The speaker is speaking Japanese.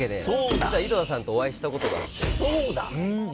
実は井戸田さんとお会いしたことがあって。